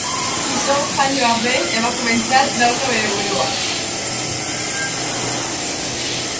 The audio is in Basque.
Gizon jaio arren, emakumetzat dauka bere burua.